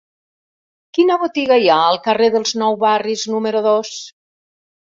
Quina botiga hi ha al carrer dels Nou Barris número dos?